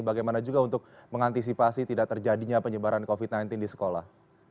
bagaimana juga untuk mengantisipasi tidak terjadinya penyebaran covid sembilan belas di sekolah